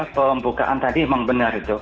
pembukaan tadi memang benar